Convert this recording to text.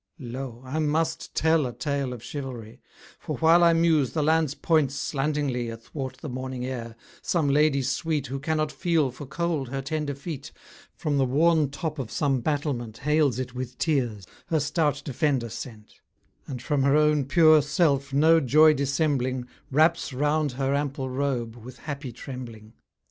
Lo! I must tell a tale of chivalry; For while I muse, the lance points slantingly Athwart the morning air: some lady sweet, Who cannot feel for cold her tender feet, From the worn top of some old battlement Hails it with tears, her stout defender sent: And from her own pure self no joy dissembling, Wraps round her ample robe with happy trembling.